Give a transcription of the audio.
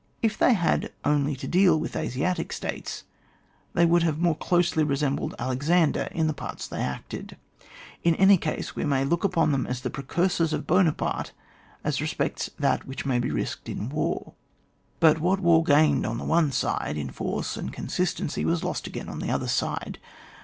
If they had had only to deal with Asiatic States, they would have more closely resembled Alexander in the parts they acted In any case, we may look upon them as the precursors of Buonaparte as respects that which may be risked in war. But what war gained on the one side in force and consistency was lost again on the other side.